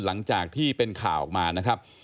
หลังจากที่เป็นข่าวออกมานะครับ